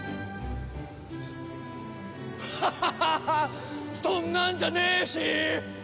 ハハハハハッそんなんじゃねえしーっ！